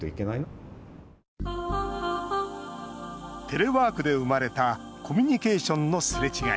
テレワークで生まれたコミュニケーションのすれ違い。